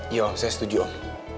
iya om saya setuju om